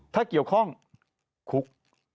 ถ้าเกี่ยวข้องคุก